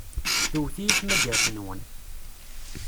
Tewwet-iyi tmagart-nwen.